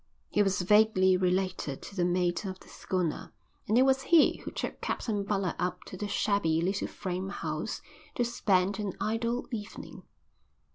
He was vaguely related to the mate of the schooner, and it was he who took Captain Butler up to the shabby little frame house to spend an idle evening.